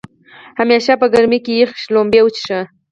همیشه په ګرمۍ کې يخې شړومبۍ وڅښئ